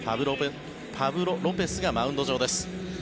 パブロ・ロペスがマウンド上です。